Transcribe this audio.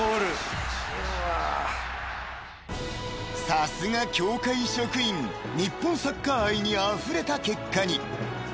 ［さすが協会職員日本サッカー愛にあふれた結果に］